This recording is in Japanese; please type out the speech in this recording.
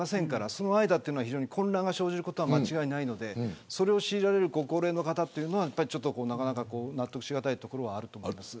その間、混乱が生じることは間違いないのでそれを強いられる、ご高齢の方は納得しがたいところはあると思います。